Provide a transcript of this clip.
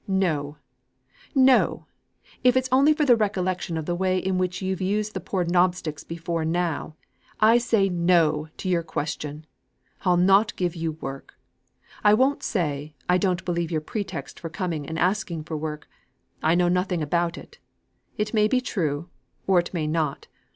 No! no! if it's only for the recollection of the way in which you've used the poor knobsticks before now, I say No! to your question. I'll not give you work. I won't say, I don't believe your pretext for coming and asking for work; I know nothing about it. It may be true, or it may not.